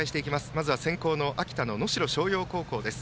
まずは先攻の能代松陽高校です。